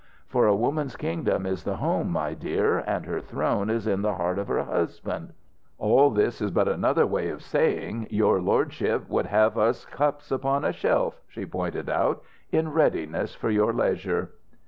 For a woman's kingdom is the home, my dear, and her throne is in the heart of her husband " "All this is but another way of saying your lordship would have us cups upon a shelf," she pointed out "in readiness for your leisure."